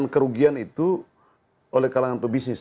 kerugian itu oleh kalangan pebisnis